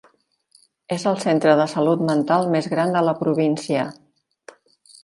És el centre de salut mental més gran de la província.